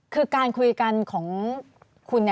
คือการคุยกันของคุณ